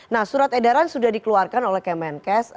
nah surat edaran sudah dikeluarkan oleh kemenkes